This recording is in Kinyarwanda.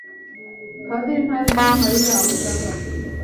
Padiri ntazi icyo Mariya amushakaho.